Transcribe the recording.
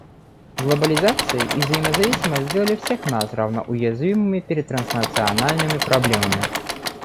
Глобализация и взаимозависимость сделали всех нас равно уязвимыми перед транснациональными проблемами.